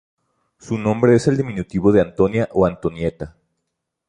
Su nombre es el diminutivo de Antonia o Antonietta.